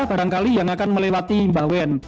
barangkali yang akan melewati bawen